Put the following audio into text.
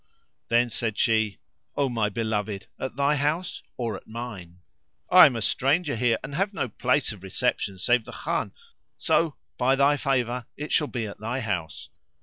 Then said she, "O my beloved, at thy house, or at mine?" "I am a stranger here and have no place of reception save the Khan, so by thy favour it shall be at thy house."